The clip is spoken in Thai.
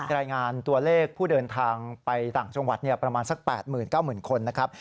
รายงานตัวเลขผู้เดินทางไปต่างจังหวัดประมาณสัก๘๙๐๐คนนะครับ